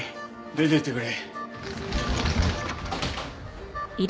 出ていってくれ。